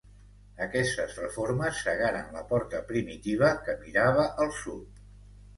Aquestes reformes cegaren la porta primitiva, que mirava al sud.